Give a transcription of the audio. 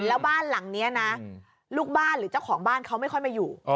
แล้วบ้านหลังนี้นะลูกบ้านหรือเจ้าของบ้านเขาไม่ค่อยมาอยู่